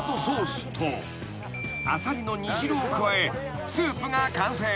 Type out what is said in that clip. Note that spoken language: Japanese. ［アサリの煮汁を加えスープが完成］